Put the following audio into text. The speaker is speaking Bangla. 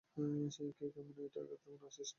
কে কেমন সেটা আমাকে শেখাতে আসিস না, সব জানি আমি।